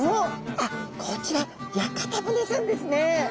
あっこちら屋形船さんですね。